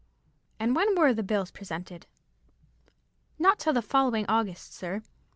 "And when were the bills presented?" "Not till the following August, sir.